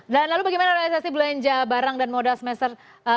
dan lalu bagaimana realisasi belanja barang dan modal semester satu dua ribu tujuh belas